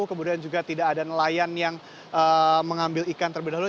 kemudian juga tidak ada nelayan yang mengambil ikan terlebih dahulu